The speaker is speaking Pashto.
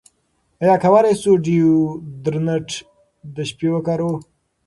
ایا کولی شو ډیوډرنټ د شپې وکاروو؟